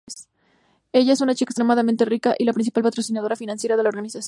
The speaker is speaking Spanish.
Ella es una chica extremadamente rica y la principal patrocinadora financiera de la organización.